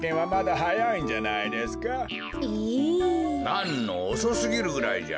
なんのおそすぎるぐらいじゃ。